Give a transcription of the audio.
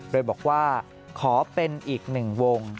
โดยบอกว่าขอเป็นอีกหนึ่งวง